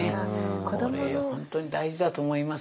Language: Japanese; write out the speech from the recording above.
これ本当に大事だと思います。